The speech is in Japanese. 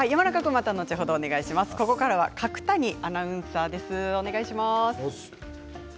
ここからは角谷アナウンサーです。